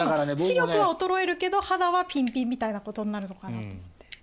視力は衰えるけど肌はピンピンみたいなことになるのかなと思って。